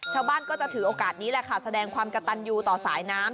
ชาวบ้านก็จะถือโอกาสนี้แหละค่ะแสดงความกระตันยูต่อสายน้ำ